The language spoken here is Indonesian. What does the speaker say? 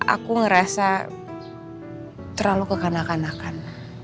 aku ngerasa terlalu kekanak kanakan